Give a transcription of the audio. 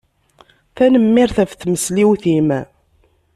Tanemmirt ɣef tmesliwt-im.